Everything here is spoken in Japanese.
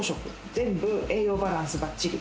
全部栄養バランスばっちり。